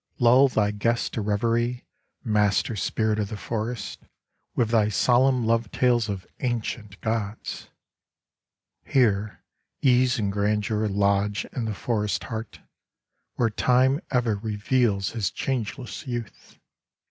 Lull thy guest to reverie, master spirit of the forest, with thy solemn love tales of ancient gods ! Here Ease and Grandeur lodge in the forest's heart, where Time ever reveals his changeless youth.